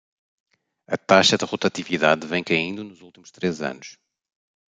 A taxa de rotatividade vem caindo nos últimos três anos.